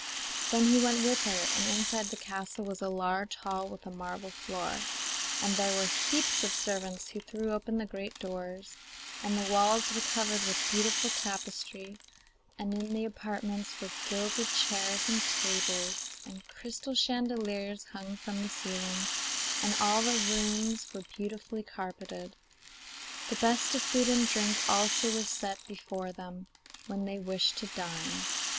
Then he went with her, and inside the castle was a large hall with a marble floor, and there were heaps of servants who threw open the great doors, and the walls were covered with beautiful tapestry, and in the apartments were gilded chairs and tables, and crystal chandeliers hung from the ceiling, and all the rooms were beautifully carpeted. The best of food and drink also was set before them when they wished to dine.